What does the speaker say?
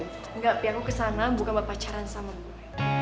enggak pi aku kesana bukan berpacaran sama boy